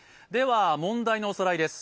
問題のおさらいです。